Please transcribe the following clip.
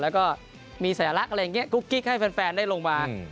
แล้วก็มีสัญลักษณ์อะไรอย่างนี้กุ๊กกิ๊กให้แฟนได้ลงมา